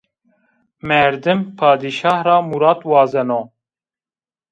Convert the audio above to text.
Merdim padîşahî ra murad wazeno